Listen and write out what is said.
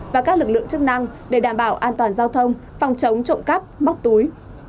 và các lực lượng chức năng để đảm bảo an toàn giao thông phòng chống trộm cắp móc túi